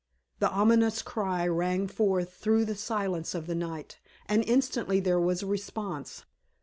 The ominous cry rang forth through the silence of the night, and instantly there was a response.